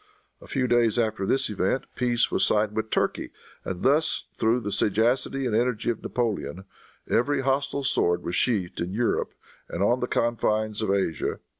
A few days after this event, peace was signed with Turkey, and thus through the sagacity and energy of Napoleon, every hostile sword was sheathed in Europe and on the confines of Asia.